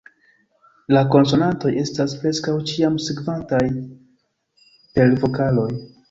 La konsonantoj estas preskaŭ ĉiam sekvataj per vokaloj.